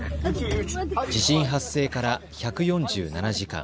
地震発生から１４７時間。